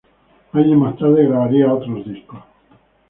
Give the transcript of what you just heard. Años más tarde grabaría otros discos.